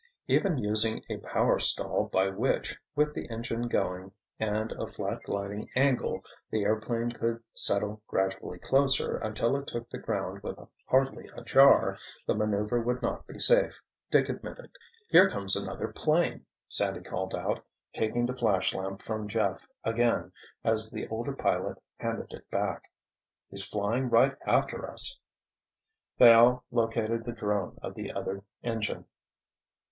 Even using a power stall by which, with the engine going and a flat gliding angle, the airplane could settle gradually closer until it took the ground with hardly a jar, the maneuver would not be safe, Dick admitted. "Here comes another 'plane!" Sandy called out, taking the flashlamp from Jeff again as the older pilot handed it back. "He's flying right after us." They all located the drone of the other engine.